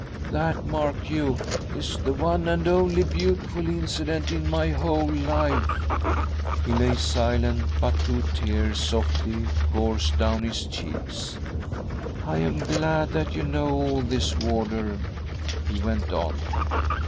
" That, mark you, is the one and only beautiful incident in my ^whole fife." He lay silent, but two tears softly coursed down his cheeks. "lam glad that you know all this, warder," he went on.